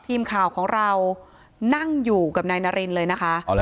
ทีมข่าวของเรานั่งอยู่กับนายนารินเลยนะคะ